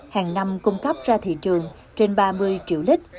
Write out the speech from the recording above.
hàng năm cung cấp ra thị trường trên ba mươi triệu lít